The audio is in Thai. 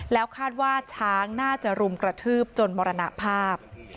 แล้วคาดว่าช้างน่าจะรุมกระทืบจนมรณภาพ